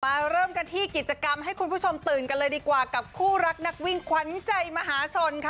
เริ่มกันที่กิจกรรมให้คุณผู้ชมตื่นกันเลยดีกว่ากับคู่รักนักวิ่งขวัญใจมหาชนค่ะ